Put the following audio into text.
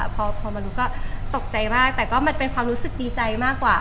พอมารู้ก็ตกใจมากแต่ก็มันเป็นความรู้สึกดีใจมากกว่า